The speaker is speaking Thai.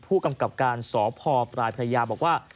ผู้กำกับการสพปลายพระยาบอกว่า